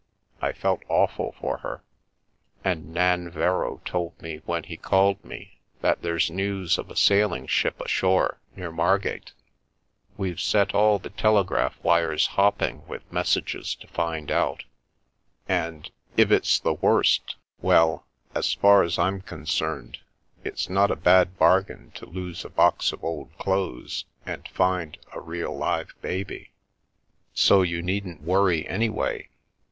I felt awful for her. And Nanverrow told me when he called me that there's news of a sailing ship ashore near Margate. We've set all the telegraph wires hopping with messages to find out. And — if it's the worst — well, as far as I'm concerned, it's not a bad bargain to lose a box of old clothes and find a real live baby. So you needn't worry, anyway.